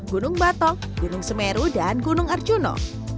gunung batok gunung semeru dan gunung arjuna